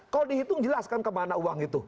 kalau dihitung jelas kan kemana uang itu